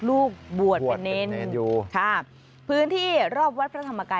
ลูกบวชเป็นเน้นอยู่ค่ะพื้นที่รอบวัดพระธรรมกาย